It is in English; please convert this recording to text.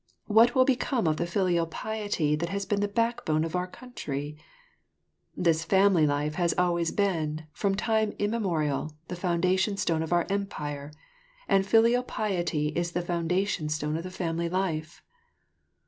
What will become of the filial piety that has been the backbone of our country? This family life has always been, from time immemorial, the foundation stone of our Empire, and filial piety is the foundation stone of the family life.